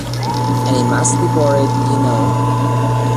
And he must be buried, you know.